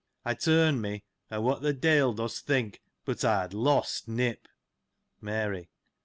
I turned me, and what the de'il dost think, but I had lost Nip ! Mary.